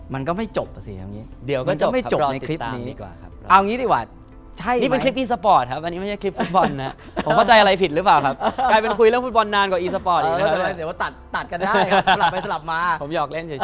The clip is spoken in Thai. ผมหยอกเล่นเฉย